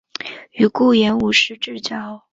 与顾炎武是至交。